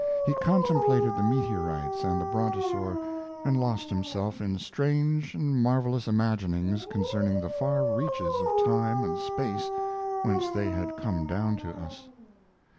He contemplated the meteorites and the brontosaur, and lost himself in strange and marvelous imaginings concerning the far reaches of time and space whence they had come down to us.